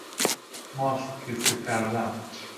ماست کیسه کردن